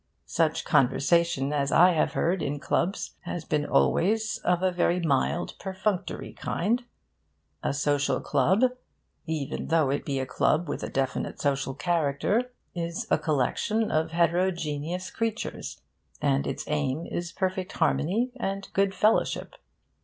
Such conversation as I have heard in clubs has been always of a very mild, perfunctory kind. A social club (even though it be a club with a definite social character) is a collection of heterogeneous creatures, and its aim is perfect harmony and good fellowship.